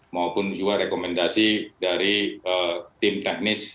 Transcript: maupun juga rekomendasi dari tim teknis